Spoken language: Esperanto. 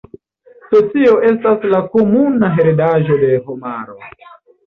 Scio estas la komuna heredaĵo de homaro.